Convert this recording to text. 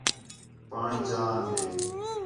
پاݨی چا آن ہݙے